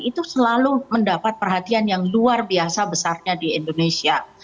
itu selalu mendapat perhatian yang luar biasa besarnya di indonesia